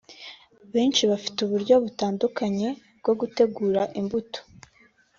Benshi bafite uburyo butandukanye bwo gutegura imbuto